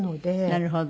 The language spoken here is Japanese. なるほど。